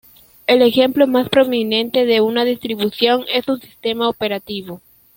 El ejemplo más prominente de una distribución es un sistema operativo.